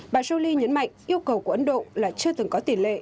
bà jolie nhấn mạnh yêu cầu của ấn độ là chưa từng có tiền lệ